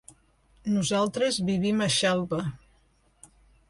Nosaltres vivim a Xelva.